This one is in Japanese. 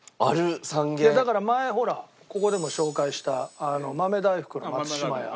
だから前ほらここでも紹介した豆大福の松島屋。